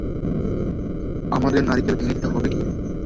আমাদের নারকেল ভেঙে দিতে হবে - কি?